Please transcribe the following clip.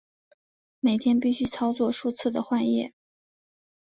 每天必须操作数次的换液。